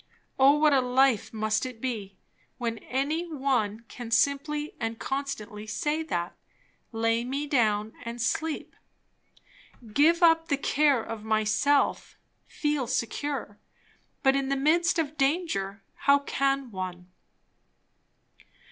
O what a life must it be, when any one can simply and constantly say that! "Lay me down and sleep"; give up the care of myself; feel secure. But in the midst of danger, how can one?